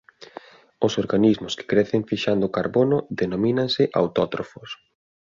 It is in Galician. Os organismos que crecen fixando carbono denomínanse autótrofos.